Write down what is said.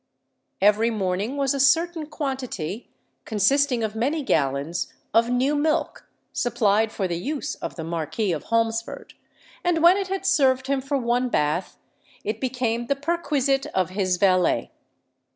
Every morning was a certain quantity, consisting of many gallons, of new milk supplied for the use of the Marquis of Holmesford; and when it had served him for one bath, it became the perquisite of his valet.